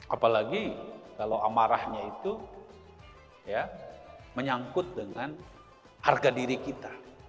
apalagi kalau amarahnya itu menyangkut dengan harga diri kita